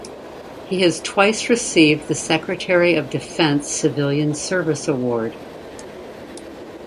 He has twice received the Secretary of Defense Civilian Service Award.